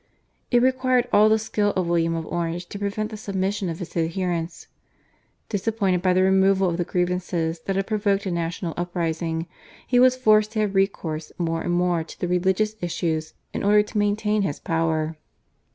It required all the skill of William of Orange to prevent the submission of his adherents. Disappointed by the removal of the grievances that had provoked a national uprising, he was forced to have recourse more and more to the religious issues in order to maintain his power.